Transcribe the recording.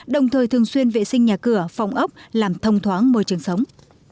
đồng thời thường xuyên vệ sinh nhà cửa phòng ốc làm thông thoáng môi trường sống